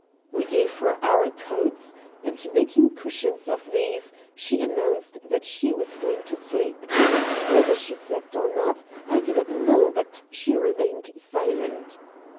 We gave her our coats, and, making cushions of these, she announced that she was going to sleep. Whether she slept or not, I do not know, but she remained silent.